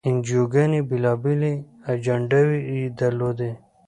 انجیوګانې بېلابېلې اجنډاوې یې درلودې.